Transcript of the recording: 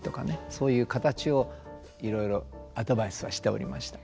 そういう形をいろいろアドバイスをしておりました。